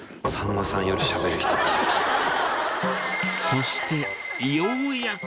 そしてようやく。